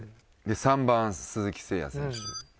３番鈴木誠也選手。